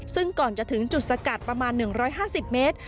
ซึ่งก่อนจะถึงจุดสกัดประมาณ๑๕๐เมตร